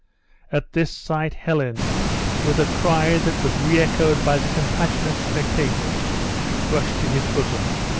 At this sight, Helen, with a cry that was re echoed by the compassionate spectators, rushed to his bosom.